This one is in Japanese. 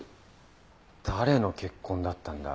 誰の血痕だったんだ？